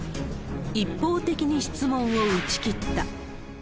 一方的に質問を打ち切った。